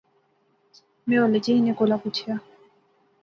میں ہولے جئے انیں کولا پچھیا